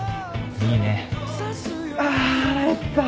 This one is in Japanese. いいね。